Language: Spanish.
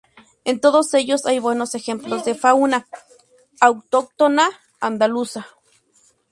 En todos ellos hay buenos ejemplos de fauna autóctona andaluza.